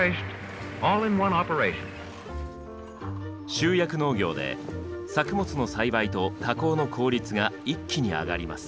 集約農業で作物の栽培と加工の効率が一気に上がります。